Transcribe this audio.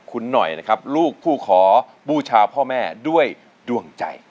คุณหน่อยนะครับลูกผู้ขอบูชาพ่อแม่ด้วยดวงใจ